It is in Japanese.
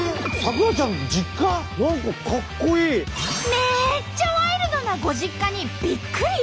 めっちゃワイルドなご実家にびっくり！